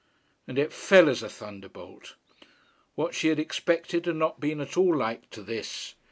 And it fell as a thunderbolt. What she had expected had not been at all like to this.